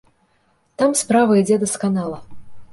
Там справа ідзе дасканала.